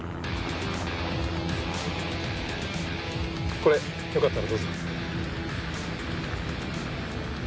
これよかったらどうぞ。